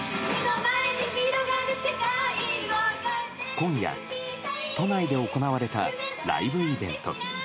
今夜、都内で行われたライブイベント。